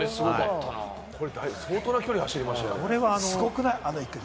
これ相当な距離を走りましたよ。